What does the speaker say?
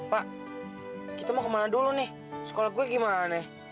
pak kita mau ke mana dulu nih sekolah gua gimana